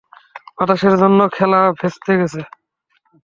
বাতাসের জন্য খেলা ভেস্তে গেছে।